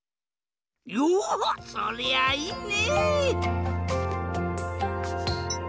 おおそりゃあいいね！